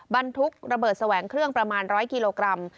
บรรทุกระเบิดแสวงเครื่องประมาณ๑๐๐กิโลกรัม